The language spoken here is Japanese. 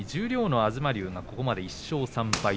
東龍がここまで１勝３敗